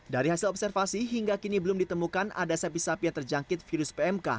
dari hasil observasi hingga kini belum ditemukan ada sapi sapi yang terjangkit virus pmk